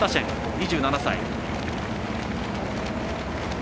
２７歳。